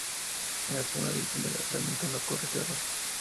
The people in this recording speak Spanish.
En la segunda edición del lanzamiento no ocurre este error.